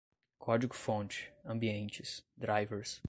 código-fonte, ambientes, drivers